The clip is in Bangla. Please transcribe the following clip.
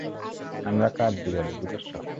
আমরা কাঠবিড়ালি, বুঝেছ?